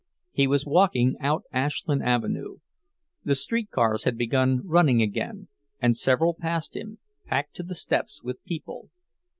He was walking out Ashland Avenue. The streetcars had begun running again, and several passed him, packed to the steps with people.